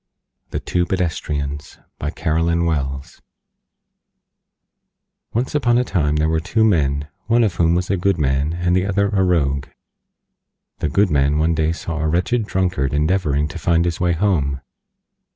THE TWO PEDESTRIANS BY CAROLYN WELLS Once on a time there were two Men, one of whom was a Good Man and the other a Rogue. The Good Man one day saw a Wretched Drunkard endeavoring to find his way Home.